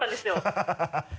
ハハハ